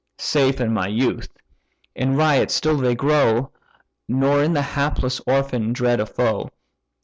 Safe in my youth, in riot still they grow, Nor in the helpless orphan dread a foe.